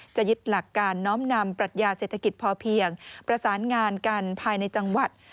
จะยึดหลักการน้อมนำปรัชญาเศรษฐกิจพอเพียงประสานงานกันภายในจังหวัด